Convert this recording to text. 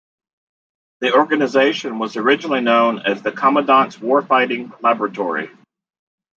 The organization was originally known as the Commandant's Warfighting Laboratory.